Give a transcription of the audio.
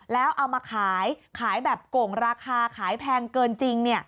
แล้วเอามาขายขายแบบโก่งราคาขายแพงเกินจริง